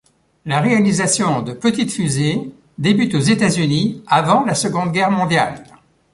La réalisation de petites fusées débute aux États-Unis avant la Seconde Guerre mondiale.